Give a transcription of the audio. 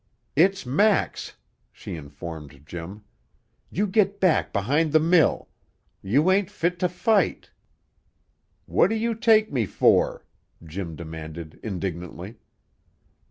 "It's Max!" she informed Jim. "You git back behind the mill; you ain't fit to fight " "What do you take me for?" Jim demanded indignantly.